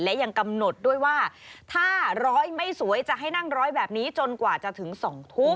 และยังกำหนดด้วยว่าถ้าร้อยไม่สวยจะให้นั่งร้อยแบบนี้จนกว่าจะถึง๒ทุ่ม